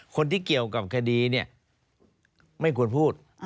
คนที่เกี่ยวกับคดีเนี่ยไม่ควรพูด